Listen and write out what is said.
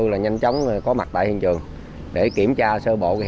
khi nhân viên viễn thông kiểm tra được